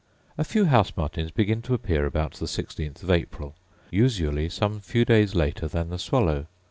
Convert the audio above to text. A few house martins begin to appear about the sixteenth of April; usually some few days later than the swallow.